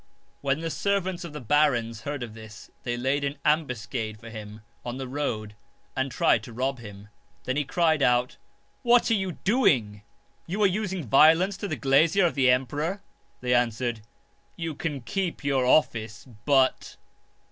When the servants of the barons heard of this, they laid an ambuscade for him on the road and tried to rob him. Then he cried out :" What are you doing ? You are using violence to the glazier of the emperor !" They answered :" You can keep your office but